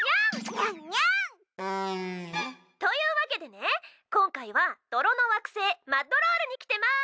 にゃんにゃん！というわけでね今回は泥の惑星マッドロールに来てます！